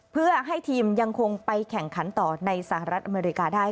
เพื่อให้ทีมยังคงไปแข่งขันต่อในสหรัฐอเมริกาได้